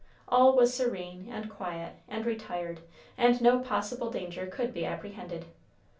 All was serene, and quiet, and retired, and no possible danger could be apprehended.